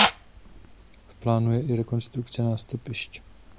V plánu je i rekonstrukce nástupišť.